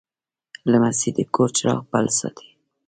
لمسی د کور چراغ بل ساتي.